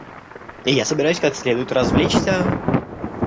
И я собираюсь как следует развлечься.